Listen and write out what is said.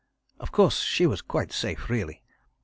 Of course she was quite safe really.